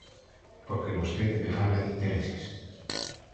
Porque vostede me fala de intereses.